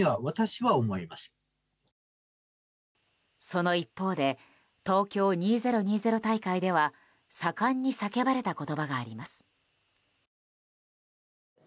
その一方で東京２０２０大会では盛んに叫ばれた言葉があります。